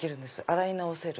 洗い直せる。